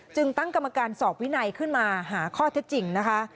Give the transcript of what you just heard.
ตั้งกรรมการสอบวินัยขึ้นมาหาข้อเท็จจริงนะคะ